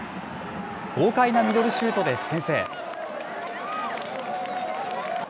豪快なミドルシュートで先制。